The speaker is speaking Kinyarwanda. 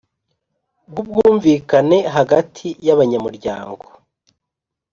bw ubwumvikane hagati y abanyamuryango